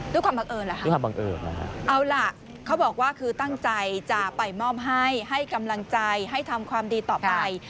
ด้วยความบังเอิญรึคะเอาล่ะตั้งใจจะไปมอบให้ให้กำลังใจให้ทำความดีต่อไป